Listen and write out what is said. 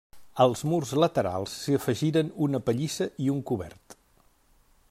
Als murs laterals s'hi afegiren una pallissa i un cobert.